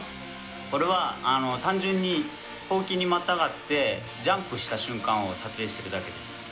これは単純にほうきにまたがってジャンプした瞬間を撮影してるだけなんです。